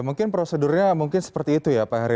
mungkin prosedurnya mungkin seperti itu ya pak heri